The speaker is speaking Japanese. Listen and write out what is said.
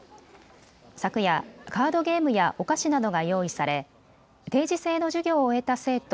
昨夜、カードゲームやお菓子などが用意され定時制の授業を終えた生徒